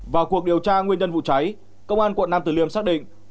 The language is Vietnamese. vào cuộc điều tra nguyên nhân vụ cháy công an quận nam từ liêm xác định